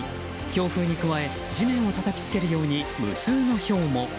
強風に加え地面をたたきつけるように無数のひょうも。